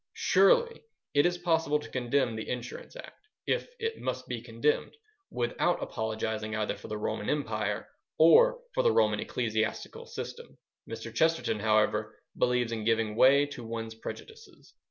Surely it is possible to condemn the Insurance Act, if it must be condemned, without apologizing either for the Roman Empire or for the Roman ecclesiastical system. Mr. Chesterton, however, believes in giving way to one's prejudices.